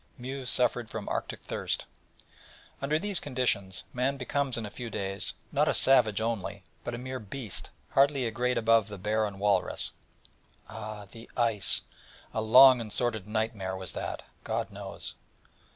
Mew suffered from 'Arctic thirst. Under these conditions, man becomes in a few days, not a savage only, but a mere beast, hardly a grade above the bear and walrus. Ah, the ice! A long and sordid nightmare was that, God knows.